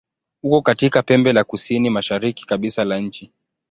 Uko katika pembe la kusini-mashariki kabisa la nchi.